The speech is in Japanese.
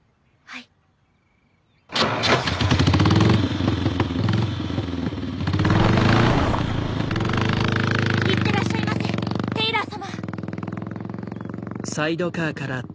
いってらっしゃいませテイラー様。